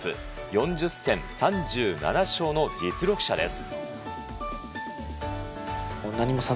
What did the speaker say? ４０戦３７勝の実力者です。